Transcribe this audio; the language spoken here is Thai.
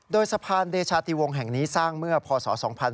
โดยสะพานเดชาติวงศ์แห่งนี้สร้างเมื่อพศ๒๕๕๙